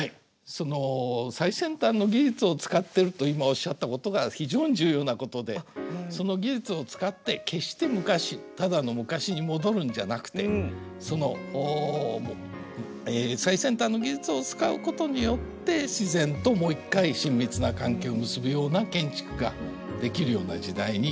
その最先端の技術を使ってると今おっしゃったことが非常に重要なことでその技術を使って決して昔ただの昔に戻るんじゃなくてその最先端の技術を使うことによって自然ともう一回親密な関係を結ぶような建築ができるような時代になりつつある。